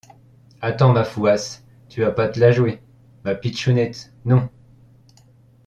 Attends ma fouace, tu vas pas te la jouer– — Ma pitchounette, non !